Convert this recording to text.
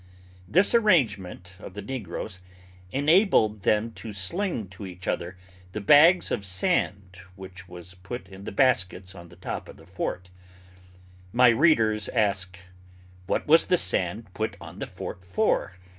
This arrangement of the negroes, enabled them to sling to each other the bags of sand which was put in the baskets on the top of the fort. My readers ask, what was the sand put on the fort for?